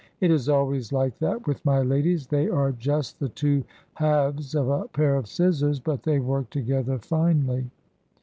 It is always like that with my ladies, they are just the two halves of a pair of scissors, but they work together finely.